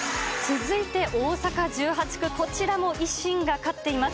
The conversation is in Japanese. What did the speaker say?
続いて、大阪１８区、こちらも維新が勝っています。